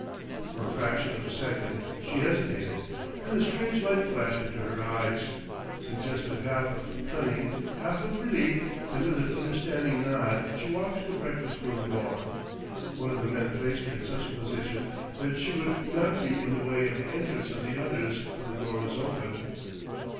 For a fraction of a second she hesitated, then a strange light flashed into her eyes, suggestive half of cunning, half of relief, and with an understanding nod she walked to the breakfast room door. One of the men placed her in such a position that she would not be in the way of the entrance of the others when the door was opened.